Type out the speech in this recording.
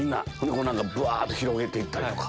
ぶわっと広げていったりとか。